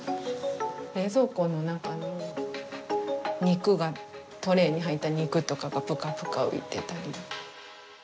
冷蔵庫の中の肉がトレーに入った肉とかがぷかぷか浮いてたり。